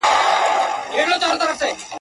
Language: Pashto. لښکر که ډېر وي، بې سره هېر وي.